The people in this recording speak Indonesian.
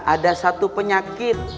ada satu penyakit